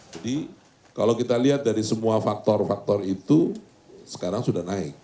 jadi kalau kita lihat dari semua faktor faktor itu sekarang sudah naik